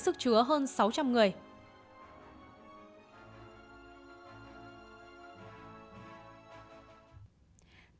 hãy đăng ký kênh để nhận thông tin nhất